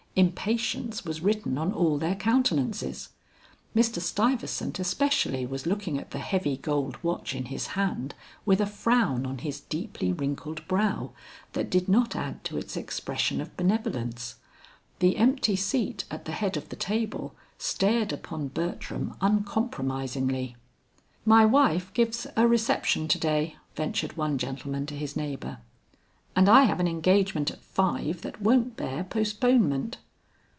Impatience was written on all their countenances. Mr. Stuyvesant especially was looking at the heavy gold watch in his hand, with a frown on his deeply wrinkled brow that did not add to its expression of benevolence. The empty seat at the head of the table stared upon Bertram uncompromisingly. "My wife gives a reception to day," ventured one gentleman to his neighbor. "And I have an engagement at five that won't bear postponement."